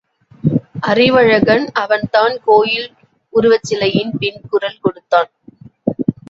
அறிவழகன் அவன் தான் கோயில் உருவச்சிலையின் பின் குரல் கொடுத்தது.